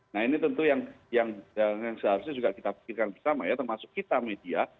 nah ini tentu yang seharusnya juga kita pikirkan bersama ya termasuk kita media